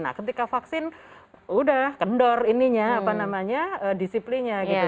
nah ketika vaksin udah kendor ininya apa namanya disiplinnya gitu